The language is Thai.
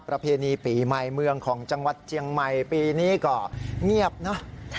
ประเพณีปีใหม่เมืองของจังหวัดเจียงใหม่ปีนี้ก็เงียบเนอะ